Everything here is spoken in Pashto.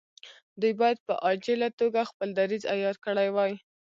دوی باید په عاجله توګه خپل دریځ عیار کړی وای.